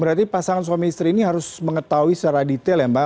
berarti pasangan suami istri ini harus mengetahui secara detail ya mbak